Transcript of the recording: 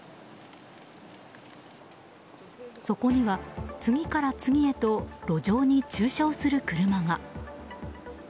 そこには次から次へと路上に駐車をする車が。